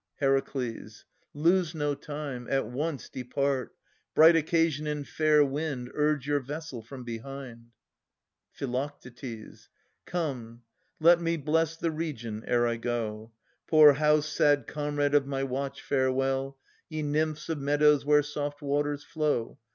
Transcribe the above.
Her. Lose no time: at once depart! Bright occasion and fair wind Urge your vessel from behind. Phi. Come, let me bless the region ere I go. Poor house, sad comrade of my watch, farewell! Ye nymphs of meadows where soft waters flow.